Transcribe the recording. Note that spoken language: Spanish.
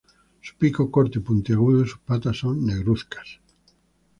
Su pico corto y puntiagudo y sus patas son negruzcos.